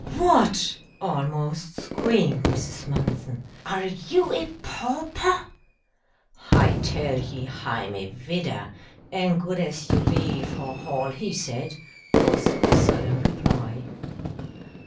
"What!" almost screamed Mrs. Mumpson, "are you a pauper?" "Hi tell ye hi'm a vidder, an' good as you be, for hall he said," was the sullen reply.